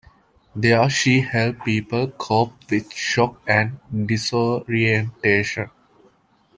There she helped people cope with shock and disorientation.